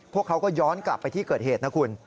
พวกเขาก็ย้อนกลับไปที่เกิดเหตุนะคุณ